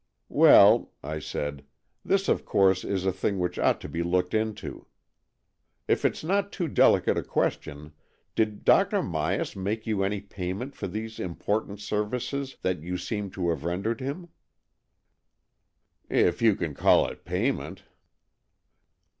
" Well," I said, " this, of course, is a thing which ought to be looked into. If it's not too delicate a question, did Dr. Myas make you any payment for these important services that you seem to have rendered him ?"" If you can call it payment."